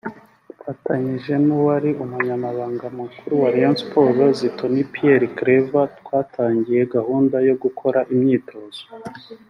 Mfatanyije n’uwari Umunyamabanga mukuru wa Rayon Sport Zitoni Pierre Claver twatangiye gahunda yo gukora imyitozo